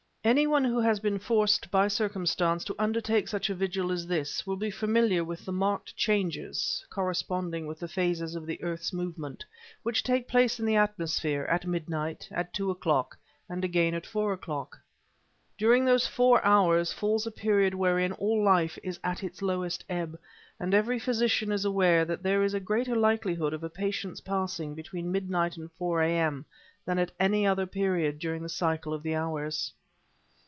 Any one who has been forced by circumstance to undertake such a vigil as this will be familiar with the marked changes (corresponding with phases of the earth's movement) which take place in the atmosphere, at midnight, at two o'clock, and again at four o'clock. During those fours hours falls a period wherein all life is at its lowest ebb, and every Physician is aware that there is a greater likelihood of a patient's passing between midnight and four A. M., than at any other period during the cycle of the hours.